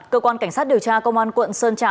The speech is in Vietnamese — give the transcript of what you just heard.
cơ quan cảnh sát điều tra công an quận sơn trà